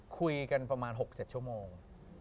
คุยกันประมาณ๖๗ชั่วโมง